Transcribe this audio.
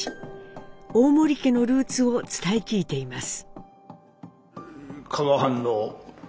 大森家のルーツを伝え聞いています。